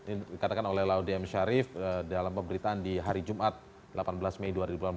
ini dikatakan oleh laude m syarif dalam pemberitaan di hari jumat delapan belas mei dua ribu delapan belas